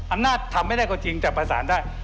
อำนาจทำไม่ได้ก็จริงแต่ประสานได้